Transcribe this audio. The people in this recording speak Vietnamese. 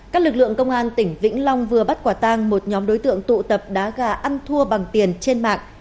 các lực lượng công an tỉnh vĩnh long vừa bắt quả tang một nhóm đối tượng tụ tập đá gà ăn thua bằng tiền trên mạng